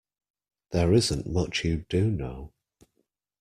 There isn't much you do know.